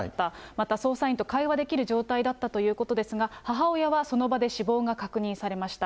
また捜査員と会話できる状態だったということですが、母親はその場で死亡が確認されました。